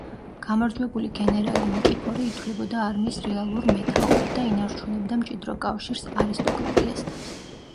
გამარჯვებული გენერალი ნიკიფორე ითვლებოდა არმიის რეალურ მეთაურად და ინარჩუნებდა მჭიდრო კავშირს არისტოკრატიასთან.